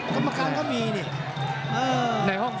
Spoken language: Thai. ต้องถามสัจใจน้อย